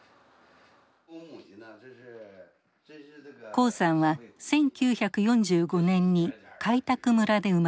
黄さんは１９４５年に開拓村で生まれました。